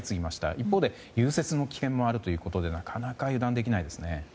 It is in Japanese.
一方で、融雪の危険もあるということでなかなか油断できませんね。